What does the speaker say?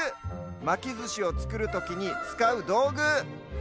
まきずしをつくるときにつかうどうぐ。